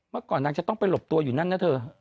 เมื่อก่อนนางจะต้องไปหลบตัวอยู่นั่นนะเธอ